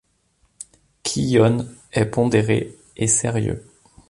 Kiyone est pondéré et sérieux.